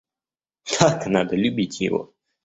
Как надо любить его?